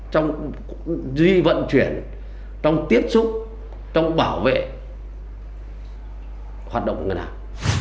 trong duy vận chuyển trong tiếp xúc trong bảo vệ hoạt động của ngân hàng